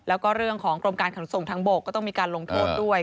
แล้วก็เรื่องของกรมการขนส่งทางบกก็ต้องมีการลงโทษด้วย